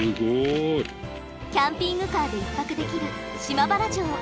キャンピングカーで１泊できる島原城。